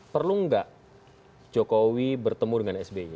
perlu nggak jokowi bertemu dengan sby